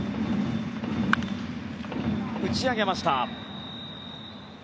打ち上げました。